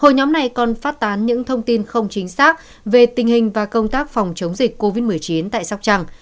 hội nhóm này còn phát tán những thông tin không chính xác về tình hình và công tác phòng chống dịch covid một mươi chín tại sóc trăng